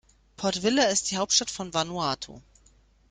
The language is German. Port Vila ist die Hauptstadt von Vanuatu.